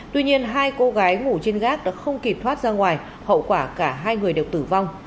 tuy nhiên hai cô gái ngủ trên gác đã không kịp thoát ra ngoài hậu quả cả hai người đều tử vong